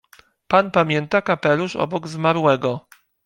"Pan pamięta kapelusz obok zmarłego?"